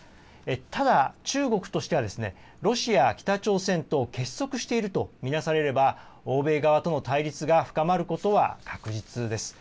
ただ中国としてはロシア、北朝鮮と結束していると見なされれば欧米側との対立が深まることは確実です。